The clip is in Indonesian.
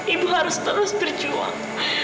ibu harus terus berjuang